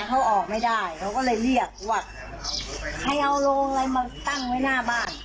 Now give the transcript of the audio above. เขาออกไม่ได้เขาก็เลยเรียกว่าให้เอาโรงอะไรมาตั้งไว้หน้าบ้าน